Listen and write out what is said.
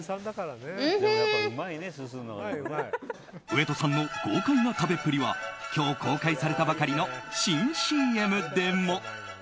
上戸さんの豪快な食べっぷりは今日公開されたばかりの新ＣＭでも。